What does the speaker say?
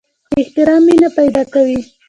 احترام مینه پیدا کوي